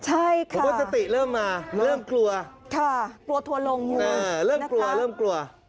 ใช่ค่ะเริ่มกลัวเริ่มกลัวเริ่มกลัวเริ่มกลัว